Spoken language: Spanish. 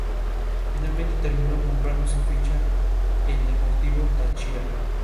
Su participación en el primer equipo no se habría prolongado más allá.